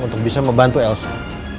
untuk bisa membantu elsa